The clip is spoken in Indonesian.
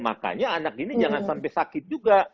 makanya anak ini jangan sampai sakit juga